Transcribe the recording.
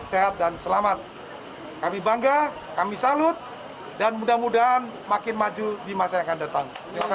sehat dan selamat kami bangga kami salut dan mudah mudahan makin maju di masa yang akan datang